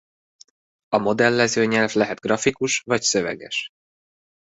A modellező nyelv lehet grafikus vagy szöveges.